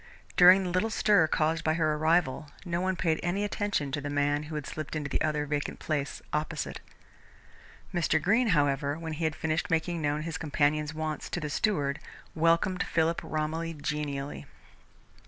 During the little stir caused by her arrival, no one paid any attention to the man who had slipped into the other vacant place opposite. Mr. Greene, however, when he had finished making known his companion's wants to the steward, welcomed Philip Romilly genially.